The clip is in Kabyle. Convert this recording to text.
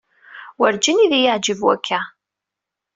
Werǧin i yi-d-yeɛǧib wakka.